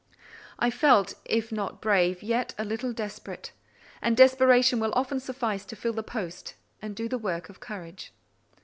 I felt, if not brave, yet a little desperate; and desperation will often suffice to fill the post and do the work of courage.